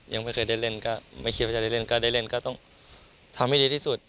ยังไม่เคยได้เล่นก็ไม่คิดว่าจะได้เล่นก็ได้เล่นก็ต้องทำให้ดีที่สุด